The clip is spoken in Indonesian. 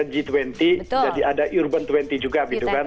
jadi ada urban dua puluh juga